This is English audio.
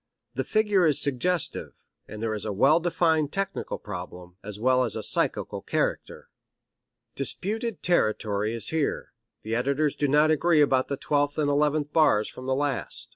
The figure is suggestive, and there is a well defined technical problem, as well as a psychical character. Disputed territory is here: the editors do not agree about the twelfth and eleventh bars from the last.